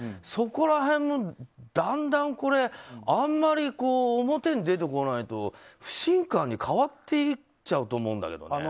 そこら辺、だんだん、あんまり表に出てこないと不信感に変わっていっちゃうと思うんだけどね。